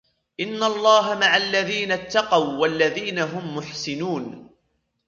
إِنَّ اللَّهَ مَعَ الَّذِينَ اتَّقَوْا وَالَّذِينَ هُمْ مُحْسِنُونَ